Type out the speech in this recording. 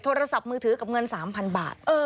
โทรศัพท์มือถือกับเงิน๓๐๐บาท